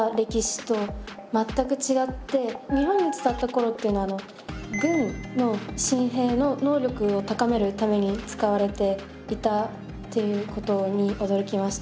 日本に伝わった頃っていうのは軍の新兵の能力を高めるために使われていたっていうことに驚きました。